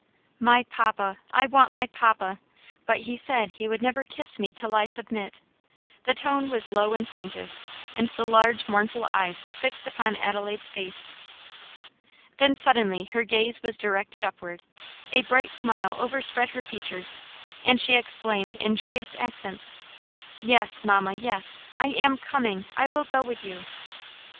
"My papa I want my papa; but he said he would never kiss me till I submit;" the tone was low and plaintive, and the large mournful eyes were fixed upon Adelaide's face. Then suddenly her gaze was directed upward, a bright smile overspread her features, and she exclaimed in joyous accents, "Yes, mamma, yes; I am coming! I will go with you!"